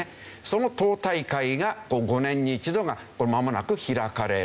その党大会が５年に一度がまもなく開かれる。